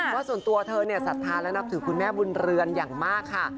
ว่าส่วนตัวเธอศรัทธาและนับถือคุณแม่บุญเรือนอย่างมากค่ะ